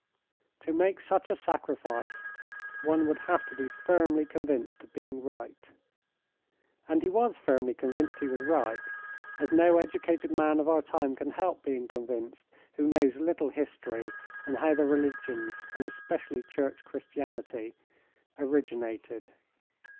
To make such a sacrifice one would have to be firmly convinced of being right. And he was firmly convinced he was right, as no educated man of our time can help being convinced who knows a little history and how the religions, and especially Church Christianity, originated.